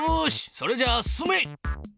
それじゃあ進め！